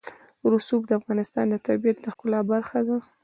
رسوب د افغانستان د طبیعت د ښکلا برخه ده.